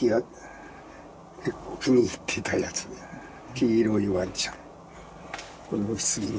黄色いわんちゃん。